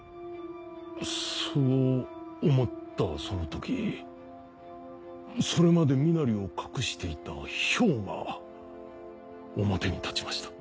そう思ったその時それまで身なりを隠していた漂が表に立ちました。